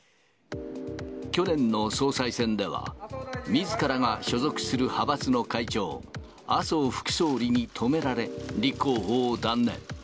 去年の総裁選では、みずからが所属する派閥の会長、麻生副総理に止められ、立候補を断念。